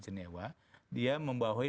jenewa dia membahayai